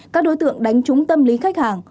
các đối tượng đánh trúng tâm lý khách hàng